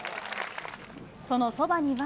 そのそばには。